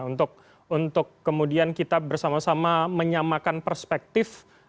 untuk kemudian kita bersama sama menyamakan perspektif